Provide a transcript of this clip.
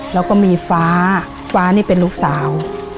แล้วก็มีฟ้าฟ้านี่เป็นลูกสาว